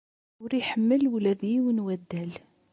Ur iḥemmel ula d yiwen n waddal.